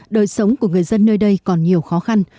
đời sống của người dân nơi đây còn nhiều khó khăn